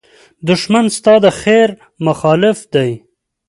دښمن ستا د خېر مخالف دی